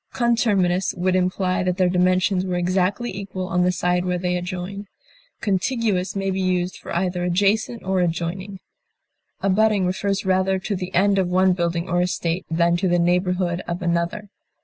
Conterminous would imply that their dimensions were exactly equal on the side where they adjoin. Contiguous may be used for either adjacent or adjoining. Abutting refers rather to the end of one building or estate than to the neighborhood of another.